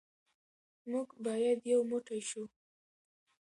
موږ باید یو موټی شو.